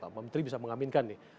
pak menteri bisa mengaminkan nih